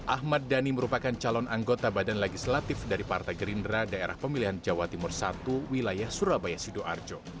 ahmad dhani merupakan calon anggota badan legislatif dari partai gerindra daerah pemilihan jawa timur satu wilayah surabaya sidoarjo